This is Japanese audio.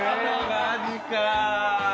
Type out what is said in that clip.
マジかぁ。